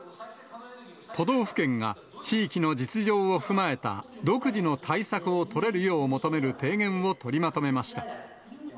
都道府県が地域の実情を踏まえた独自の対策を取れるよう求める提言を取りまとめました。